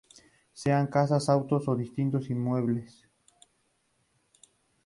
Sean casas, autos, o distintos inmuebles.